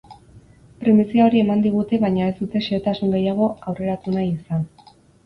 Primizia hori eman digute baina ez dute xehetasun gehiago aurreratu nahi izan.